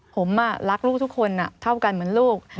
ผมรักลูกทุกคนเท่ากันเหมือนลูก